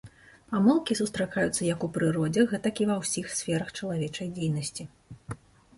Памылкі сустракаюцца як у прыродзе, гэтак і ва ўсіх сферах чалавечай дзейнасці.